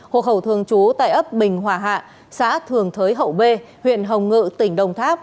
hộ khẩu thường trú tại ấp bình hòa hạ xã thường thới hậu b huyện hồng ngự tỉnh đồng tháp